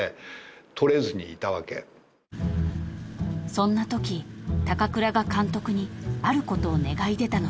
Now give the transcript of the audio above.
［そんなとき高倉が監督にあることを願い出たのです］